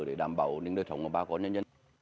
để đảm bảo nơi sống của ba con nhân dân